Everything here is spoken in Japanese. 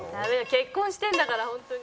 結婚してるんだから本当に」